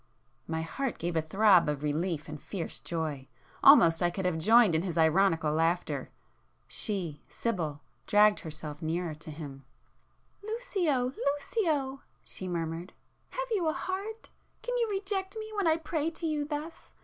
My heart gave a throb of relief and fierce joy,—almost I could have joined in his ironical laughter. She—Sibyl—dragged herself nearer to him. "Lucio—Lucio!" she murmured—"Have you a heart? Can you reject me when I pray to you thus?